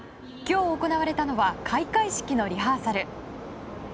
今日、行われたのは開会式のリハーサル。